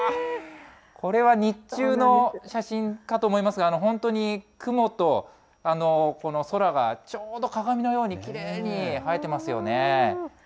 これは日中の写真かと思いますが、本当に雲と、この空がちょうど鏡のように、きれいに映えてますよね。